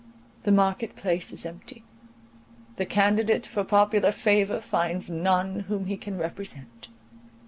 The market place is empty, the candidate for popular favour finds none whom he can represent.